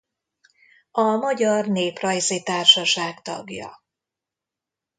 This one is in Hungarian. A Magyar Néprajzi Társaság tagja.